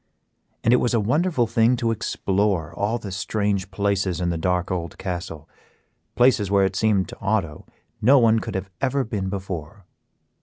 And it was a wonderful thing to explore all the strange places in the dark old castle; places where it seemed to Otto no one could have ever been before.